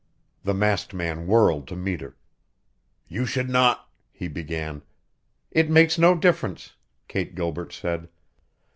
The masked man whirled to meet her. "You should not " he began. "It makes no difference," Kate Gilbert said.